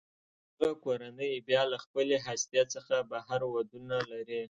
دغه کورنۍ بیا له خپلې هستې څخه بهر ودونه لري.